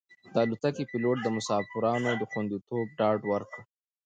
د الوتکې پېلوټ د مسافرانو د خوندیتوب ډاډ ورکړ.